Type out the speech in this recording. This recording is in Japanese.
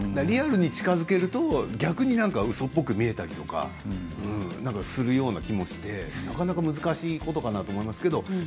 リアルに近づけると逆にうそっぽく見えたりするようなこともして、難しいことかなと思いますけど。